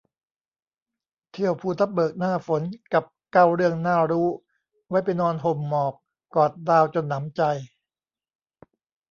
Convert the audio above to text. เที่ยวภูทับเบิกหน้าฝน กับ เก้า เรื่องน่ารู้ ไว้ไปนอนห่มหมอก กอดดาวจนหนำใจ